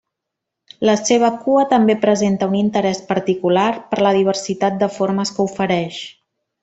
La seva cua també presenta un interès particular per la diversitat de formes que ofereix.